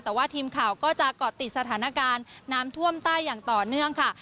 แต่ว่าทีมข่าวก็จะเกาะติดสถานการณ์น้ำท่วมใต้อย่างต่อเนื่องค่ะ